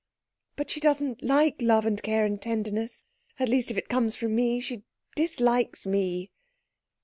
"But she doesn't like love and care and tenderness. At least, if it comes from me. She dislikes me."